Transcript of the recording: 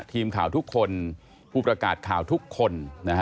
ทีมข่าวทุกคนผู้ประกาศข่าวทุกคน